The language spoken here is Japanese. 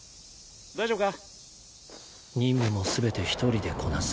大丈夫か？